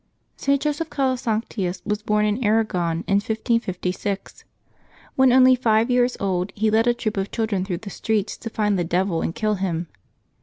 [t. Joseph Calasanctius was born in Arragon, in 1556. When only five years old, he led a troop of children through the streets to find the devil and kill him.